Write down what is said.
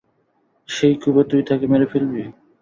সেই ক্ষোভে তুই তাকে মেরে ফেলবি।